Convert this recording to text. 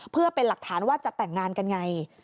เพื่อเป็นหลักฐานว่าจะแต่งงานกันไง